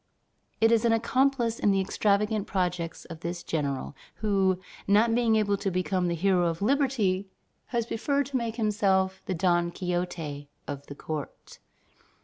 It is an accomplice in the extravagant projects of this general, who, not being able to become the hero of liberty, has preferred to make himself the Don Quixote of the court."